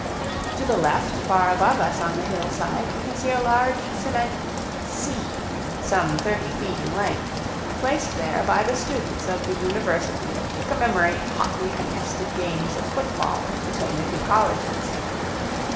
To the left, far above us on the hillside, we can see a large cement "C" some thirty feet in length, placed there by the students of the university to commemorate hotly contested games of football between the two colleges.